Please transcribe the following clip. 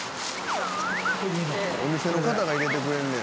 「お店の方が入れてくれんねや。